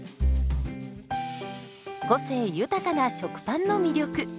個性豊かな食パンの魅力。